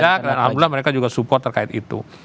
alhamdulillah mereka juga support terkait itu